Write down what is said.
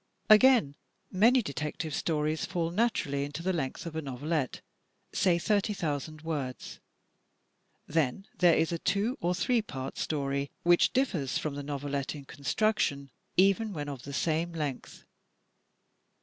Again, many detective stories fall naturally into the length of a novelette — say 30,000 words. Then there is a two or three part story, which differs from the novelette in construction, even when of the same length.